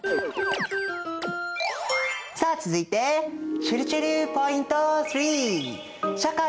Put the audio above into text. さあ続いてちぇるちぇるポイント３。